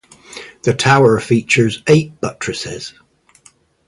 The tower features eight buttresses.